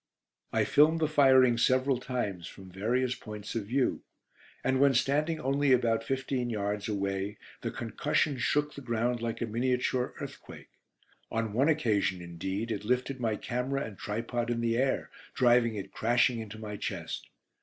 I filmed the firing several times, from various points of view, and when standing only about fifteen yards away the concussion shook the ground like a miniature earthquake. On one occasion, indeed, it lifted my camera and tripod in the air, driving it crashing into my chest.